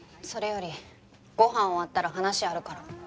それよりご飯終わったら話あるから。